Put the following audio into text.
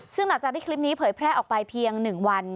ซึ่งหลังจากที่คลิปนี้เผยแพร่ออกไปเพียง๑วัน